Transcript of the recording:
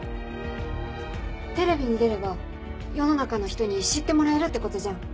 テレビに出れば世の中の人に知ってもらえるってことじゃん。